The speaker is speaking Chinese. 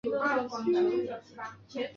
苏林根是德国下萨克森州的一个市镇。